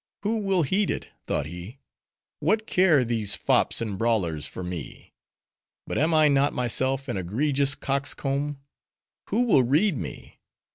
"Who will heed it," thought he; "what care these fops and brawlers for me? But am I not myself an egregious coxcomb? Who will read me?